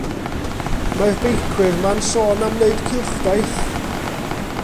Mae'r beicwyr 'ma'n sôn am neud cylchdaith.